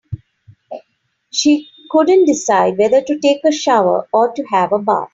She couldn't decide whether to take a shower or to have a bath.